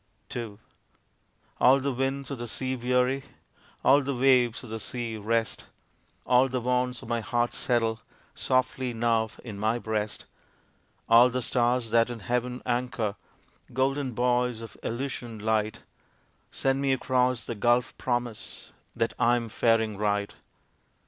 II All the winds of the sea weary, All the waves of the sea rest, All the wants of my heart settle Softly now in my breast. All the stars that in heaven anchor, Golden buoys of Elysian light, Send me across the gulf promise That I am faring right.